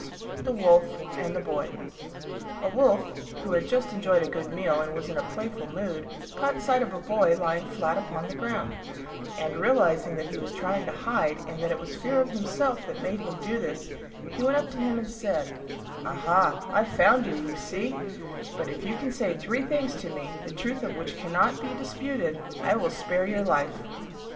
THE WOLF AND THE BOY A Wolf, who had just enjoyed a good meal and was in a playful mood, caught sight of a Boy lying flat upon the ground, and, realising that he was trying to hide, and that it was fear of himself that made him do this, he went up to him and said, "Aha, I've found you, you see; but if you can say three things to me, the truth of which cannot be disputed, I will spare your life."